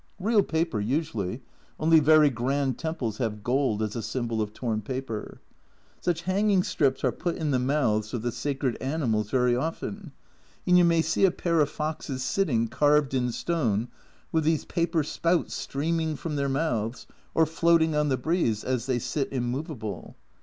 Real paper usually only very grand temples have gold as a symbol of torn paper ! Such hanging strips are put in the mouths of the sacred animals very often, and you may see a pair of foxes sitting, carved in stone, with these paper spouts streaming from their mouths or floating on the breeze as they sit immovable.